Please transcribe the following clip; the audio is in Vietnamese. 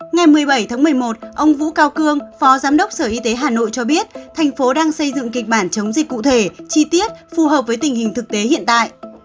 ngày một mươi bảy tháng một mươi một ông vũ cao cương phó giám đốc sở y tế hà nội cho biết thành phố đang xây dựng kịch bản chống dịch cụ thể chi tiết phù hợp với tình hình thực tế hiện tại